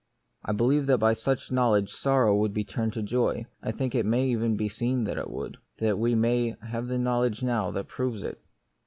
I believe that by such knowledge sorrow would be turned into joy ; I think it may even be seen that it would ; that we may have a knowledge now that proves it.